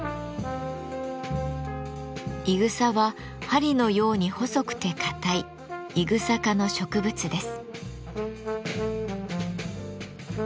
いぐさは針のように細くて硬いイグサ科の植物です。